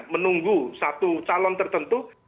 menunggu satu calon tertentu